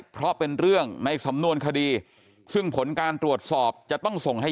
เพราะเป็นเรื่องในสำนวนคดีซึ่งผลการตรวจสอบจะต้องส่งให้